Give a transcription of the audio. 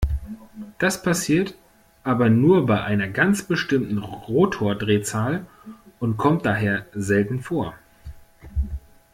Das passiert aber nur bei einer ganz bestimmten Rotordrehzahl und kommt daher selten vor.